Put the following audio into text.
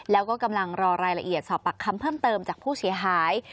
แล้วก็กำลังรอรายละเอียดสอบปากคำเพิ่มเติมจากผู้เสียหาย